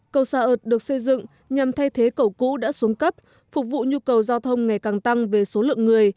cầu xa ợt được xây dựng nhằm thay thế cầu cũ đã xuống cấp phục vụ nhu cầu giao thông ngày càng tăng về số lượng người